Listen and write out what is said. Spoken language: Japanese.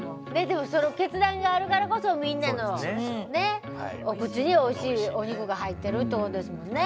でもその決断があるからこそみんなのねっお口においしいお肉が入っているってことですもんね。